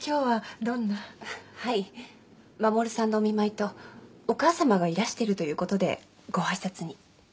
はい護さんのお見舞いとお母さまがいらしてるということでごあいさつに。